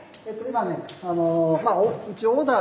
今ね